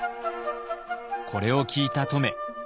これを聞いた乙女。